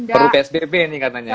perlu psbb ini katanya